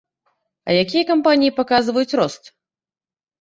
А якія кампаніі паказваюць рост?